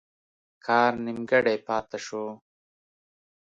کار نیمګړی پاته شو.